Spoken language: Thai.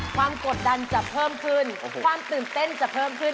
กดดันจะเพิ่มขึ้นความตื่นเต้นจะเพิ่มขึ้น